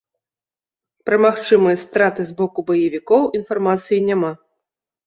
Пра магчымыя страты з боку баевікоў інфармацыі няма.